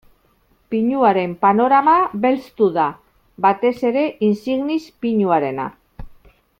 Pinuaren panorama belztu da, batez ere insignis pinuarena.